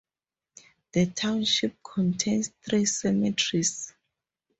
The township contains three cemeteries.